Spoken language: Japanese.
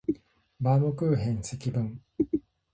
バームクーヘン積分